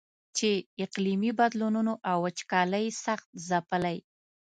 چې اقلیمي بدلونونو او وچکالۍ سخت ځپلی.